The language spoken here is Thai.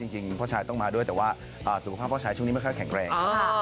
จริงพ่อชายต้องมาด้วยแต่ว่าสุขภาพพ่อชายช่วงนี้ไม่ค่อยแข็งแรง